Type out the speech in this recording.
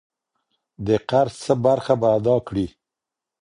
د قرض څه برخه په ادا کړي.